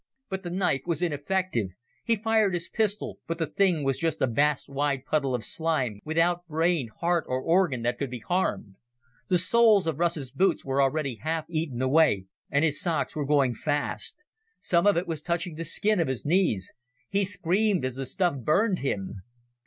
But the knife was ineffective. He fired his pistol, but the thing was just a vast wide puddle of slime, without brain, heart or organ that could be harmed. The soles of Russ's boots were already half eaten away and his socks were going fast. Some of it was touching the skin of his knees. He screamed as the stuff burned him.